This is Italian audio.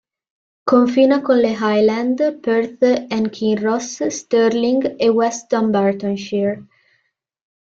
Confina con le Highland, Perth and Kinross, Stirling e West Dunbartonshire.